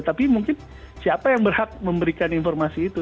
tapi mungkin siapa yang berhak memberikan informasi itu